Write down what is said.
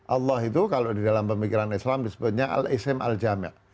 allah itu kalau di dalam pemikiran islam disebutnya al isrim al jamil